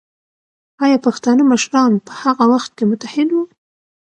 ایا پښتانه مشران په هغه وخت کې متحد وو؟